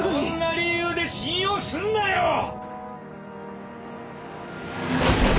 そんな理由で信用すんなよ！